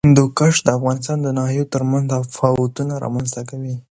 هندوکش د افغانستان د ناحیو ترمنځ تفاوتونه رامنځ ته کوي.